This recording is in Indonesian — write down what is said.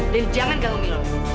dan jangan ganggu mil